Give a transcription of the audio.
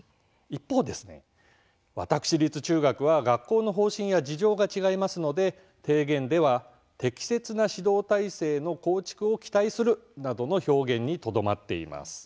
一方ですね、私立中学は学校の方針や事情が違いますので提言では適切な指導体制の構築を期待するなどの表現にとどまっています。